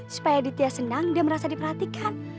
supaya ditia senang dan merasa diperhatikan